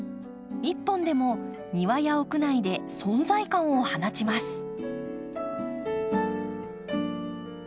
一本でも庭や屋内で存在感を放ちます。